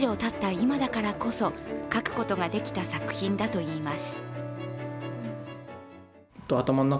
今だからこそ書くことができた作品だといいます。